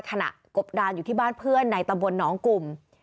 กบดานอยู่ที่บ้านเพื่อนในตำบลหนองกลุ่ม